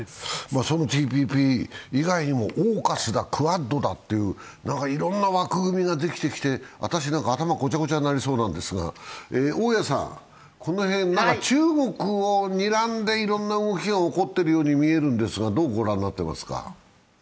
そのＴＰＰ以外にもＡＵＫＵＳだクアッドだといういろんな枠組みができてきて、私なんか頭、ごちゃごちゃになりそうですが大宅さん、中国をにらんでいろいろな動きが起こっているように見えるんですが、どう御覧になっていますか？